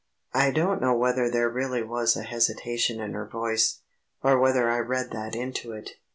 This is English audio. I don't know whether there really was a hesitation in her voice, or whether I read that into it.